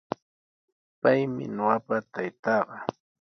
Paymi ñuqapa taytaaqa.